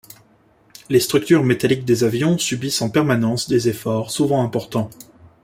Les structures métalliques des avions subissent en permanence des efforts souvent importants.